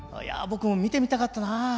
僕も見てみたかったな。